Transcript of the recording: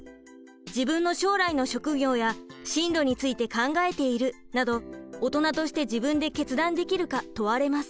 「自分の将来の職業や進路について考えている」などオトナとして自分で決断できるか問われます。